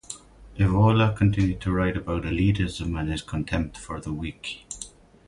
Evola continued to write about elitism and his contempt for the weak.